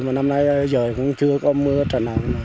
mà năm nay giờ cũng chưa có mưa trần nào